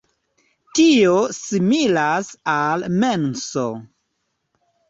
Tio similas al menso.